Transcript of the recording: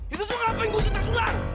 itu soal apa yang gue harus tersulang